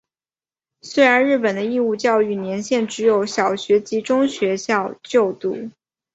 虽然日本的义务教育年限只有小学及中学校就读。